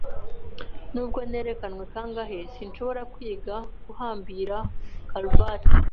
Nubwo nerekanwe kangahe, sinshobora kwiga guhambira karuvati.